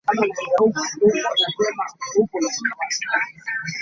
At other times, tickets must be purchased in advance or on the train.